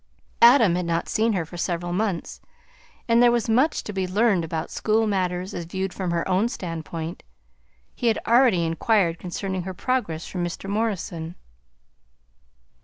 Adam had not seen her for several months, and there was much to be learned about school matters as viewed from her own standpoint; he had already inquired concerning her progress from Mr. Morrison.